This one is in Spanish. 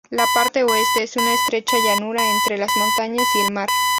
La parte oeste es una estrecha llanura entre las montañas y el mar.